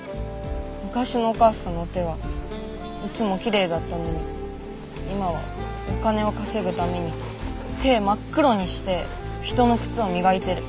昔のお母さんの手はいつもきれいだったのに今はお金を稼ぐために手真っ黒にして人の靴を磨いてる。